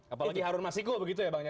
apalagi harun masiku begitu ya bang ya